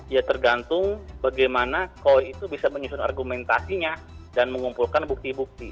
ya tergantung bagaimana koi itu bisa menyusun argumentasinya dan mengumpulkan bukti bukti